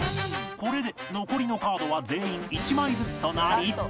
これで残りのカードは全員１枚ずつとなり